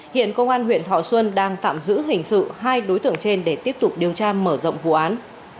hiện công an huyện thọ xuân đang tạm giữ hình sự hai đối tượng trên để tiếp tục điều tra mở rộng vụ án